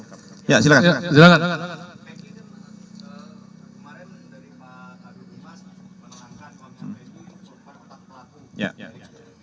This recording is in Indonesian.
kemarin dari pak tadu bimas menerangkan otak pelaku